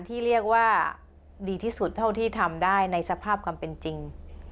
ที่เรียกว่าดีที่สุดเท่าที่ทำได้ในสภาพความเป็นจริง